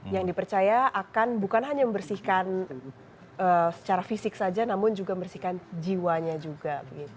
yang dipercaya akan bukan hanya membersihkan secara fisik saja namun juga membersihkan jiwanya juga